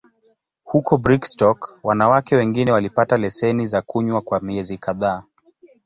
Huko Brigstock, wanawake wengine walipata leseni za kunywa kwa miezi kadhaa.